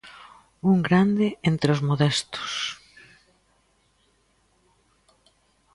Un grande entre os modestos.